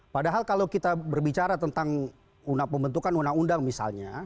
padahal kalau kita berbicara tentang pembentukan undang undang misalnya